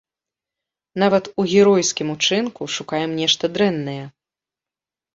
Нават у геройскім учынку шукаем нешта дрэннае.